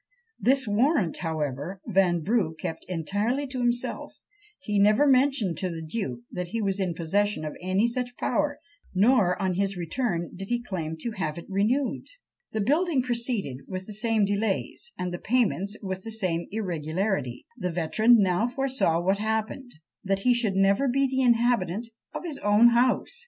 This warrant, however, Vanbrugh kept entirely to himself; he never mentioned to the duke that he was in possession of any such power; nor, on his return, did he claim to have it renewed. The building proceeded with the same delays, and the payments with the same irregularity; the veteran now foresaw what happened, that he should never be the inhabitant of his own house!